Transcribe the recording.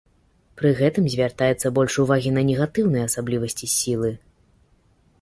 Пры гэтым звяртаецца больш увагі на негатыўныя асаблівасці сілы.